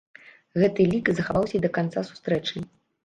Гэты лік захаваўся і да канца сустрэчы.